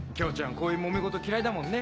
こういうもめ事嫌いだもんね。